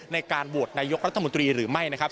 ในการโหวตนายกรัฐมนตรีหรือไม่นะครับ